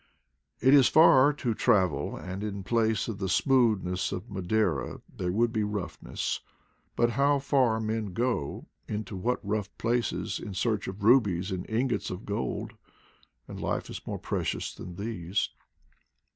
It is far to travel, and in place of the smoothness of Madeira there would be roughness; but how far men go, into what rough places, in search of rubies and ingots of gold; and life is more than these.